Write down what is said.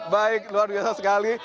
baik luar biasa sekali